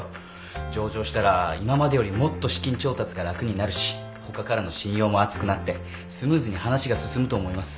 上場したら今までよりもっと資金調達が楽になるし他からの信用も厚くなってスムーズに話が進むと思います。